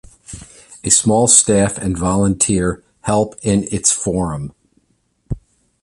A small staff and volunteer help in its forum.